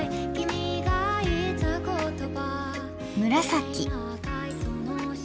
紫。